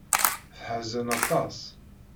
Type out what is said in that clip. Teḥzen aṭas.